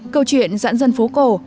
câu chuyện dãn dân phố cổ